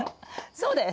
そうです。